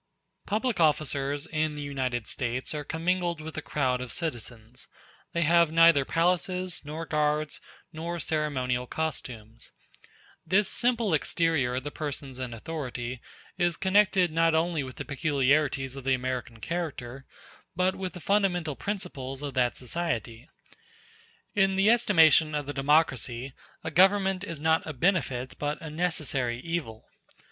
Public officers in the United States are commingled with the crowd of citizens; they have neither palaces, nor guards, nor ceremonial costumes. This simple exterior of the persons in authority is connected not only with the peculiarities of the American character, but with the fundamental principles of that society. In the estimation of the democracy a government is not a benefit, but a necessary evil.